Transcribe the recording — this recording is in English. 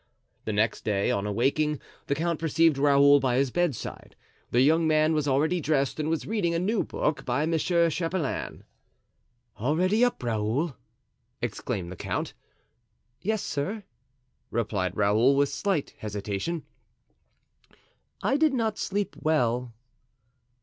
The next day, on awaking, the count perceived Raoul by his bedside. The young man was already dressed and was reading a new book by M. Chapelain. "Already up, Raoul?" exclaimed the count. "Yes, sir," replied Raoul, with slight hesitation; "I did not sleep well."